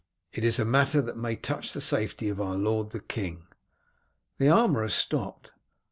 "It is a matter that may touch the safety of our lord the king." The armourer stopped.